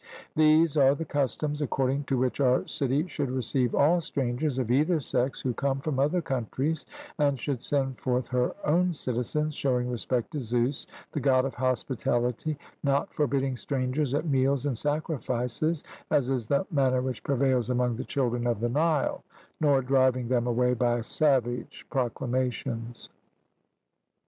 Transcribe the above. These are the customs, according to which our city should receive all strangers of either sex who come from other countries, and should send forth her own citizens, showing respect to Zeus, the God of hospitality, not forbidding strangers at meals and sacrifices, as is the manner which prevails among the children of the Nile, nor driving them away by savage proclamations.